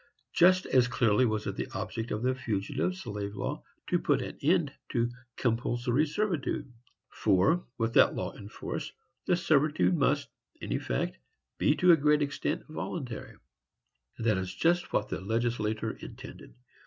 Just as clearly was it the object of the fugitive slave law to put an end to compulsory servitude; for, with that law in force, the servitude must, in effect, be, to a great extent, voluntary,—and that is just what the legislator intended.